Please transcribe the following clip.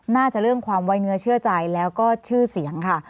เรื่องความไว้เนื้อเชื่อใจแล้วก็ชื่อเสียงค่ะ